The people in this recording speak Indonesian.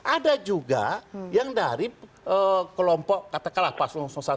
ada juga yang dari kelompok katakanlah paslon satu